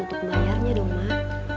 untuk bayarnya dong mak